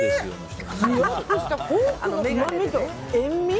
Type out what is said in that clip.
じゅわっとしたポークのうまみと塩み。